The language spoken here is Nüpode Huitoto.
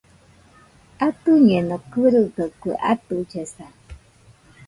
Atɨñeno gɨrɨgaɨ kue atɨllesa